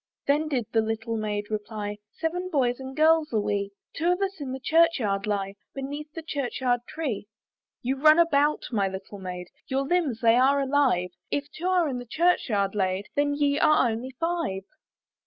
Then did the little Maid reply, "Seven boys and girls are we; "Two of us in the church yard lie, "Beneath the church yard tree." "You run about, my little maid, "Your limbs they are alive; "If two are in the church yard laid, "Then ye are only five."